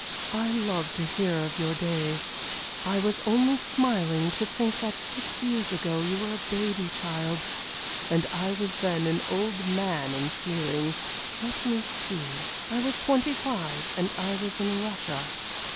I love to hear of your day. I was only smiling to think that six years ago you were a baby child, and I was then an old man in feeling let me see, I was twenty five, and I was in Russia."